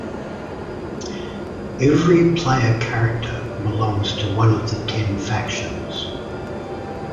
Every player character belongs to one of the ten Factions.